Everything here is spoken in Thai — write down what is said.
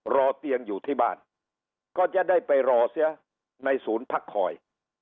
รอเตียงอยู่ที่บ้านก็จะได้ไปรอเสียในศูนย์พักคอย